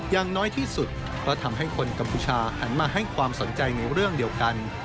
อย่างน้อยที่สุดเพราะทำให้คนกัมพูชาหันมาให้ความสนใจในเรื่องเดียวกัน